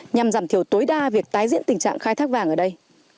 nhằm giảm thiểu tối đa việc tái diễn tình trạng khai thác vàng ở đây